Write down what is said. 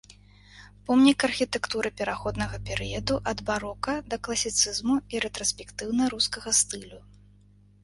Помнік архітэктуры пераходнага перыяду ад барока да класіцызму і рэтраспектыўна-рускага стылю.